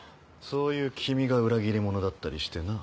そういう君が裏切り者だったりしてな。